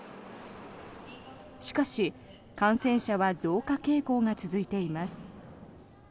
しかし、感染者は増加傾向が続いています。